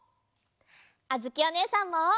あづきおねえさんも！